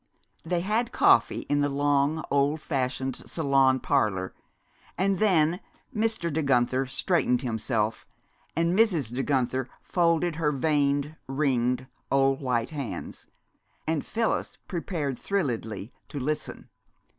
They had coffee in the long old fashioned salon parlor, and then Mr. De Guenther straightened himself, and Mrs. De Guenther folded her veined, ringed old white hands, and Phyllis prepared thrilledly to listen.